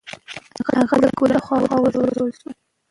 هغې د کورنۍ له خوا وځورول شوه.